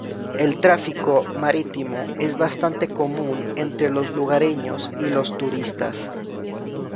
El tráfico marítimo es bastante común entre los lugareños y los turistas.